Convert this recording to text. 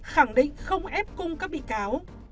khẳng định không ép cung các bị cáo